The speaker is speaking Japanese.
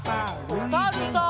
おさるさん。